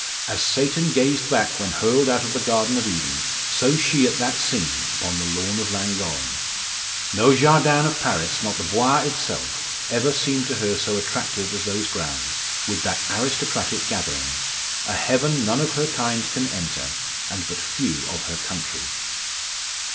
As Satan gazed back when hurled out of the Garden of Eden, so she at that scene upon the lawn of Llangorren. No jardin of Paris not the Bois itself ever seemed to her so attractive as those grounds, with that aristocratic gathering a heaven none of her kind can enter, and but few of her country.